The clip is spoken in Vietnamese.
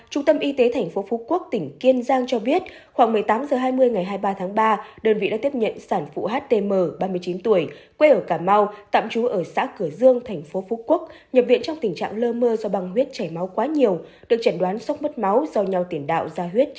hãy đăng ký kênh để ủng hộ kênh của chúng mình nhé